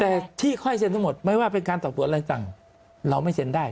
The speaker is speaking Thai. แต่ที่ค่อยเซ็นทั้งหมดไม่ว่าเป็นการตอบตรวจอะไรต่างเราไม่เซ็นได้